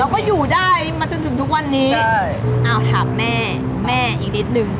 ก็อยู่ได้มาจนถึงทุกวันนี้อ้าวถามแม่แม่อีกนิดนึง